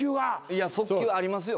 いや速球ありますよ。